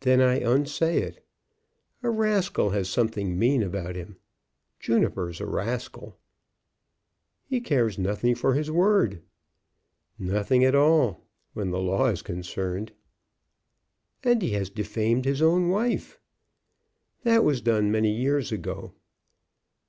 "Then I unsay it. A rascal has something mean about him. Juniper's a rascal!" "He cares nothing for his word." "Nothing at all, when the law is concerned." "And he has defamed his own wife." "That was done many years ago."